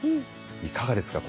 いかがですか？